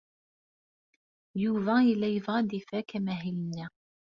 Yuba yella yebɣa ad ifak amahil-nni.